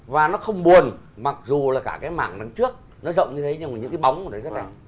và nó không buồn mặc dù là cả cái mảng nắng trước nó rộng như thế nhưng mà những cái bóng của đấy rất là